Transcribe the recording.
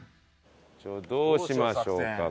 じゃあどうしましょうか？